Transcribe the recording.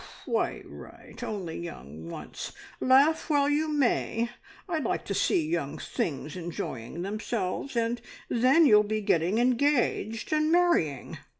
Quite right! Only young once. Laugh while you may. I like to see young things enjoying themselves. ... And then you'll be getting engaged, and marrying."